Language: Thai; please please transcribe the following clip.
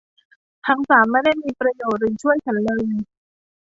ทั้งสามไม่ได้มีประโยชน์หรือช่วยฉันเลย